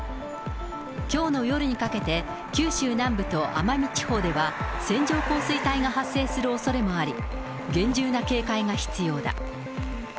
きょうの夜にかけて、九州南部と奄美地方では線状降水帯が発生するおそれもあり、厳重な警戒が必要だ。